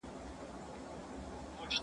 د خوارځواکۍ کچه په کومو ولایتونو کي لوړه ده؟